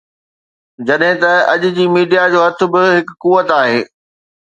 جڏهن ته اڄ جي ميڊيا جو هٿ به هڪ قوت آهي